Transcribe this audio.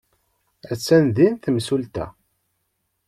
Attan din temsulta.